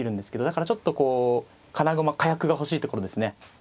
だからちょっとこう金駒火薬が欲しいところですね。